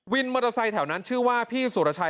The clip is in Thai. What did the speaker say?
มอเตอร์ไซค์แถวนั้นชื่อว่าพี่สุรชัย